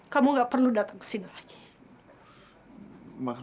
kamu gak perlu datang ke sini lagi